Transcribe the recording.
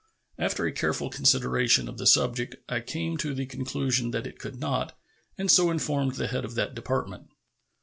After a careful consideration of the subject I came to the conclusion that it could not, and so informed the head of that Department.